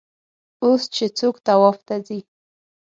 اوس چې څوک طواف ته ځي.